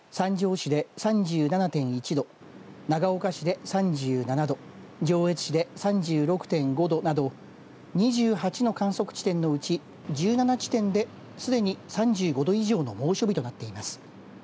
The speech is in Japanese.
市で３７．１度長岡市で３７度上越市で３６．５度など２８の観測地点のうち１７地点ですでに３５度以上の猛暑日となっています。